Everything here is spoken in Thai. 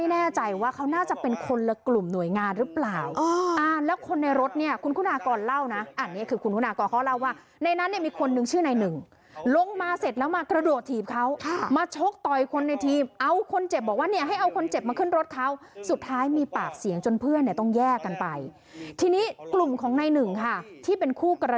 แน่ใจว่าเขาน่าจะเป็นคนละกลุ่มหน่วยงานหรือเปล่าแล้วคนในรถเนี่ยคุณคุณากรเล่านะอันนี้คือคุณคุณากรเขาเล่าว่าในนั้นเนี่ยมีคนนึงชื่อในหนึ่งลงมาเสร็จแล้วมากระโดดถีบเขามาชกต่อยคนในทีมเอาคนเจ็บบอกว่าเนี่ยให้เอาคนเจ็บมาขึ้นรถเขาสุดท้ายมีปากเสียงจนเพื่อนเนี่ยต้องแยกกันไปทีนี้กลุ่มของในหนึ่งค่ะที่เป็นคู่กรณี